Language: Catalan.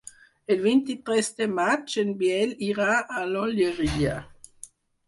El vint-i-tres de maig en Biel irà a l'Olleria.